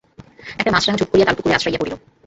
একটা মাছরাঙা ঝুপ করিয়া তালপুকুরে আছড়াইয়া পড়িল।